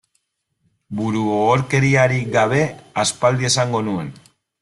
Burugogorkeriarik gabe aspaldi esango nuen.